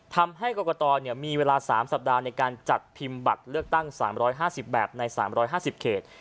ทำให้กรกตมีเวลา๓สัปดาห์ในการจัดพิมพ์บัตรเลือกตั้ง๓๕๐แบบใน๓๕๐เขต